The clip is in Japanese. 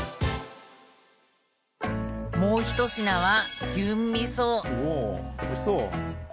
もう一品はおおおいしそう！